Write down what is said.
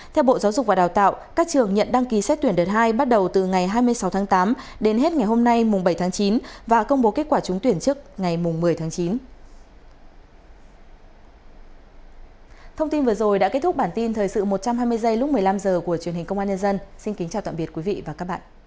theo bộ giáo dục và đào tạo các trường nhận đăng ký xét tuyển đợt hai bắt đầu từ ngày hai mươi sáu tháng tám đến hết ngày hôm nay mùng bảy tháng chín và công bố kết quả trúng tuyển trước ngày một mươi tháng chín